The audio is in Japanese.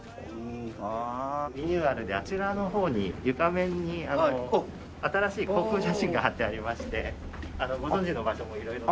リニューアルであちらの方に床面に新しい航空写真が貼ってありましてご存じの場所も色々。